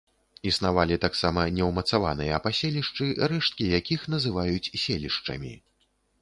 Існавалі таксама неўмацаваныя паселішчы, рэшткі якіх называюць селішчамі.